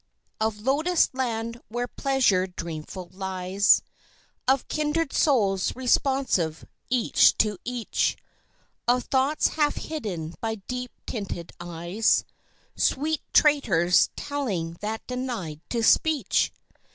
Of Lotus land where pleasure dreamful lies, Of kindred souls responsive each to each, Of thoughts half hidden by deep tinted eyes (Sweet traitors telling that denied to speech!)